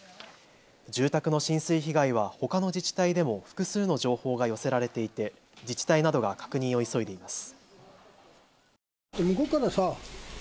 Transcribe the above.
住宅の浸水被害はほかの自治体でも複数の情報が寄せられていて自治体などが確認を急いでいます。